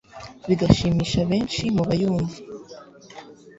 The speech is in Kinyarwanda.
bigashimisha benshi mu bayumva.